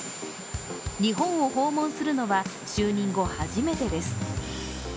日本を訪問するのは就任後初めてです。